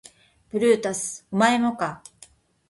ブルータスお前もか